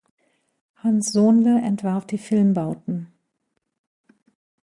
Hans Sohnle entwarf die Filmbauten.